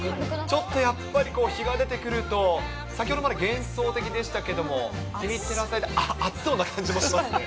ちょっとやっぱり、日が出てくると、先ほどまで幻想的でしたけれども、日に照らされて暑そうな感じもしますね。